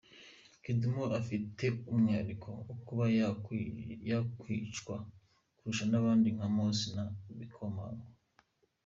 Kidum we afite umwihariko wo kuba yakwicwa kurusha n’abandi nka Mossi na Bikomagu.